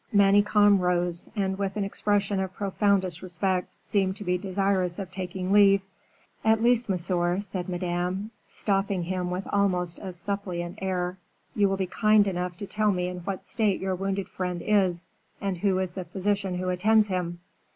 Manicamp rose, and with an expression of profoundest respect, seemed to be desirous of taking leave. "At least, monsieur," said Madame, stopping him with almost a suppliant air, "you will be kind enough to tell me in what state your wounded friend is, and who is the physician who attends him?"